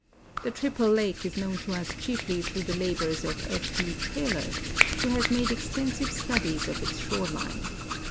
The trii)le lake is known to us chieflv through the labors of F. B. Taylor, who lia.s made extensive studies of its shore line.